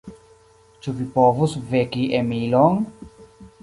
Ĉu vi povus veki Emilon?